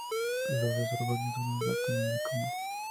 Los reservorios son los ratones de campo.